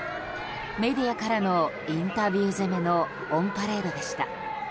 メディアからのインタビュー攻めのオンパレードでした。